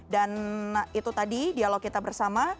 dan itu tadi dialog kita bersama